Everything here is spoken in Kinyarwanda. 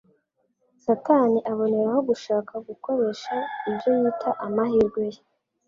Satani aboneraho gushaka gukoresha ibyo yita amahirwe ye.